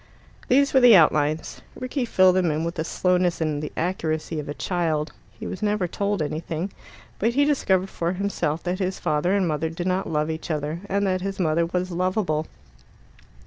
These were the outlines. Rickie filled them in with the slowness and the accuracy of a child. He was never told anything, but he discovered for himself that his father and mother did not love each other, and that his mother was lovable.